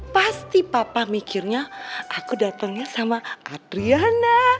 pasti papa mikirnya aku datangnya sama adriana